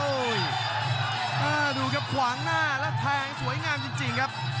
โอ้แล้วหลุดครับ